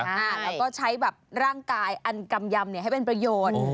แล้วก็ใช้แบบร่างกายอันกำยำให้เป็นประโยชน์